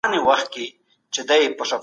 د رئیس واکونه څومره دي؟